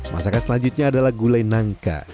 masakan selanjutnya adalah gulai nangka